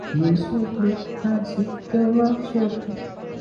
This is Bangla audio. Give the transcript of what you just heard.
অস্বাভাবিক ক্ষমতা মানুষের থাকতে পারে।